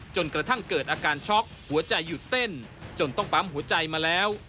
จนกระทั่งเกิดอาการช็อกหัวใจหยุดเต้นจนต้องปั๊มหัวใจมาแล้ว